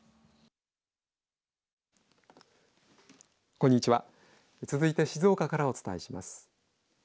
こんにちは続いて静岡からお伝えします。